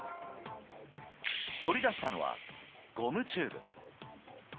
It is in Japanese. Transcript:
取り出したのはゴムチューブ。